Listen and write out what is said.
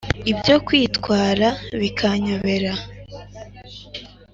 ibyo kwitwara bikanyobera